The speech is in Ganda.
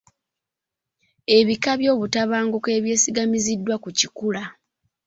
Ebika by'obutabanguko obwesigamiziddwa ku kikula.